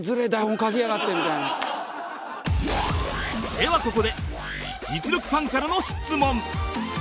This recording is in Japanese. ではここで実力ファンからの質問